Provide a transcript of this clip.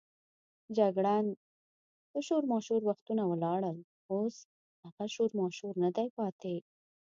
جګړن: د شورماشور وختونه ولاړل، اوس هغه شورماشور نه دی پاتې.